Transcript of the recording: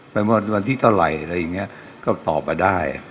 วันที่เท่าไหร่อะไรอย่างนี้ก็ตอบมาได้